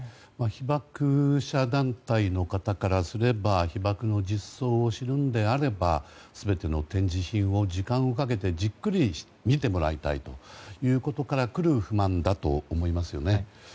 被爆者団体の方からすれば被爆の実相を知るのであれば全ての展示品を時間をかけてじっくり見てもらいたいということからくる不満だと思いますよね。